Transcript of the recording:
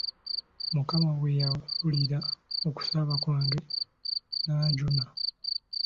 Mukama bwe yawulira okusaba kwange n'anjuna.